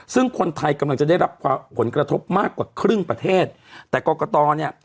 ซึ่งคนไทยกำลังจะได้รับผลกระทบมากกว่าครึ่งประเทศแต่กรกตเนี่ย